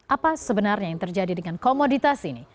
apa sebenarnya yang terjadi dengan komoditas ini